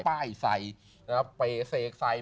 ป้ายใส่เป๋เสกใส่